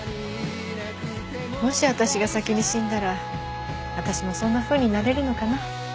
もし私が先に死んだら私もそんなふうになれるのかな？